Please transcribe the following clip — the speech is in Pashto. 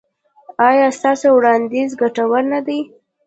ایا ستاسو وړاندیز ګټور نه دی؟